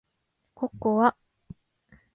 ココア